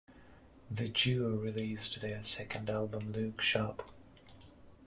The duo released their second album Look Sharp!